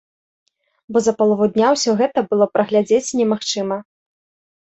Бо за палову дня ўсё гэта было прагледзець немагчыма.